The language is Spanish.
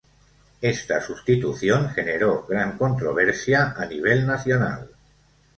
Esta sustitución generó gran controversia a nivel nacional.